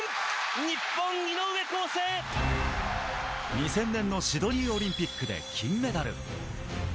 ２０００年のシドニーオリンピックで金メダル。